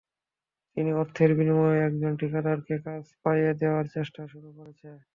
তিনি অর্থের বিনিময়ে একজন ঠিকাদারকে কাজ পাইয়ে দেওয়ার চেষ্টা শুরু করছেন।